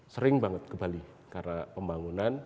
sering banget ke bali karena pembangunan